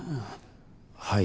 はい。